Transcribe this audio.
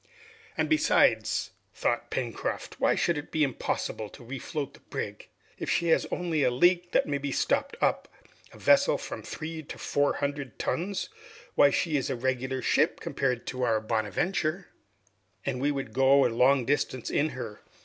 "And besides," thought Pencroft, "why should it be impossible to refloat the brig? If she has only a leak, that may be stopped up; a vessel from three to four hundred tons, why she is a regular ship compared to our 'Bonadventure'! And we could go a long distance in her!